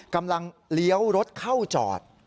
กำลังเลี้ยวรถเข้าจอด